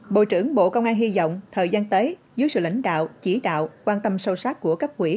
bộ trưởng bộ công an hy vọng thời gian tới dưới sự lãnh đạo chỉ đạo quan tâm sâu sắc của cấp quỹ